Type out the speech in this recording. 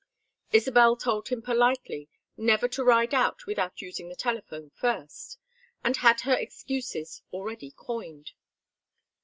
Isabel told him politely never to ride out without using the telephone first, and had her excuses already coined.